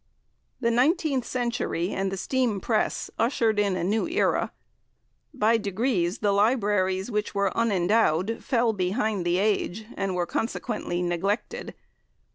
The Nineteenth Century and the Steam Press ushered in a new era. By degrees the libraries which were unendowed fell behind the age, and were consequently neglected.